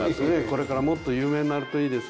これからもっと有名になるといいですね。